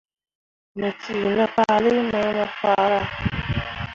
Me cii ne fahlii mai mo farah.